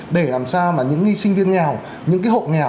để làm sao mà những sinh viên nghèo những cái hộ nghèo